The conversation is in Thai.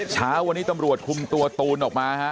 เช้าวันนี้ตำรวจคุมตัวตูนออกมาฮะ